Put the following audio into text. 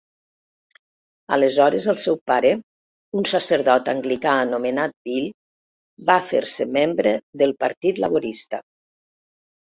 Aleshores el seu pare, un sacerdot anglicà anomenat Bill, va fer-se membre del Partit Laborista.